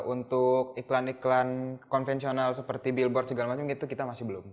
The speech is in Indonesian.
untuk iklan iklan konvensional seperti billboard segala macam itu kita masih belum